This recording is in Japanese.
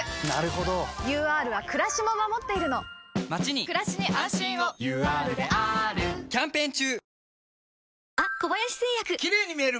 ＵＲはくらしも守っているのまちにくらしに安心をＵＲであーるキャンペーン中！